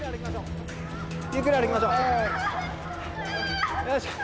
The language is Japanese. ゆっくり歩きましょう。